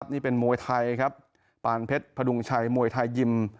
นี่เป็นมวยไทยครับปานเพชรพดุงชัยมวยไทยยิม